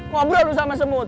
ngobrol lu sama semut